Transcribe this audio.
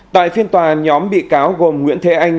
tại phiên tòa nhóm bị cáo gồm nguyễn thế anh